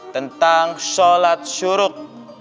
tentang sholat syuruk